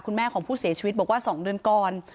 แม่ของผู้เสียชีวิตบอกว่า๒เดือนก่อน